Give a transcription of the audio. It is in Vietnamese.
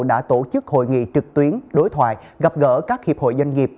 đã tổ chức hội nghị trực tuyến đối thoại gặp gỡ các hiệp hội doanh nghiệp